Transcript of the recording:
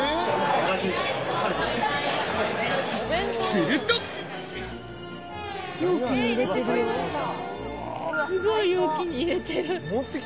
するとすごい容器に入れてる。